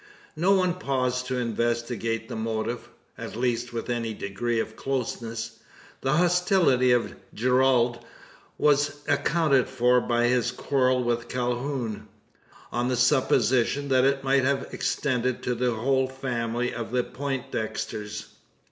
No one paused to investigate the motive at least with any degree of closeness. The hostility of Gerald was accounted for by his quarrel with Calhoun; on the supposition that it might have extended to the whole family of the Poindexters!